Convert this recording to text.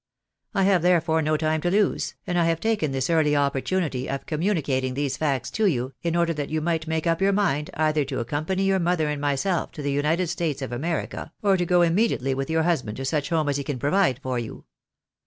I have, therefore, no time to lose, and I have taken this early opportunity of communicating these facts to you, in order that you might make up your mind either to accompany your mother and myself to the United States of America, or to go immediately with your husband to such home as he can provide for you.